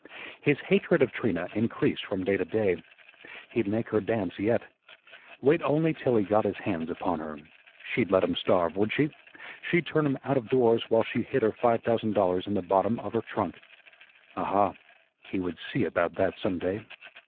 His hatred of Trina increased from day to day. He'd make her dance yet. Wait only till he got his hands upon her. She'd let him starve, would she? She'd turn him out of doors while she hid her five thousand dollars in the bottom of her trunk. Aha, he would see about that some day.